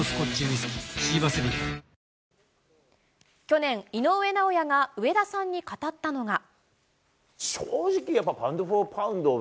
去年、井上尚弥が上田さんに語ったのが。